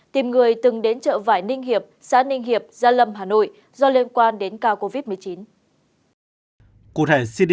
tìm người từng đến chợ vải ninh hiệp xã ninh hiệp gia lâm hà nội do liên quan đến ca covid một mươi chín